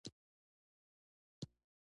د اوداسه سنتونه: